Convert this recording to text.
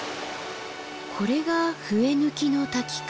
これが笛貫の滝か。